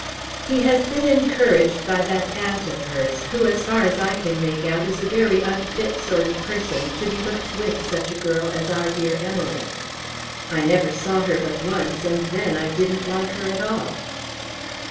"He has been encouraged by that aunt of hers, who, as far as I can make out, is a very unfit sort of person to be much with such a girl as our dear Emily. I never saw her but once, and then I didn't like her at all."